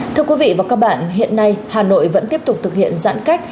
thưa quý vị và các bạn hiện nay hà nội vẫn tiếp tục thực hiện giãn cách